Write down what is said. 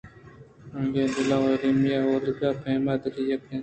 آئی ءِ دل ءَ ایمیلیا ءُ اولگا پہک دلی ءَ یک اَنت